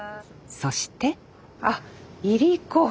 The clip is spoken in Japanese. そしてあいりこ。